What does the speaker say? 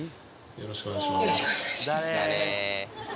よろしくお願いします